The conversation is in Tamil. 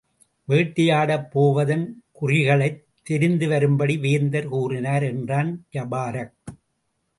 வேட்டையாடப் போவதன் குறிகளைத் தெரிந்துவரும்படி வேந்தர் கூறினார் என்றான் ஜபாரக்.